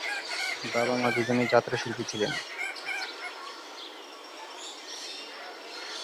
বাবা মা দুজনেই যাত্রা শিল্পী ছিলেন।